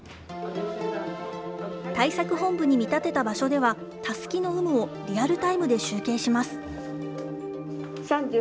対策本部に見立てた場所では、たすきの有無をリアルタイムで集計します。